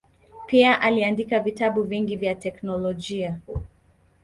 Pia aliandika vitabu vingi vya teolojia.